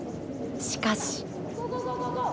しかし。